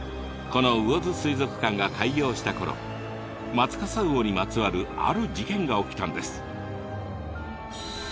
この魚津水族館が開業したころマツカサウオにまつわるある事件が起きたんです。